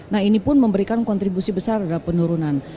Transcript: nah ini pun memberikan kontribusi besar terhadap penurunan